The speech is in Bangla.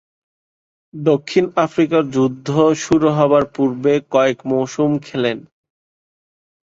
দক্ষিণ আফ্রিকান যুদ্ধ শুরু হবার পূর্বে কয়েক মৌসুম খেলেন।